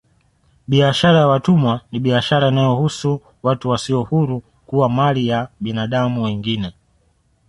Biashara ya watumwa ni biashara inayohusu watu wasio huru kuwa mali ya binadamu wengine